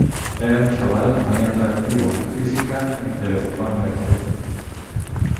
Era un chaval muy atractivo, física e intelectualmente.